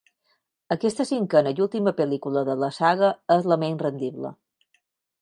Aquesta cinquena i última pel·lícula de la saga és la menys rendible.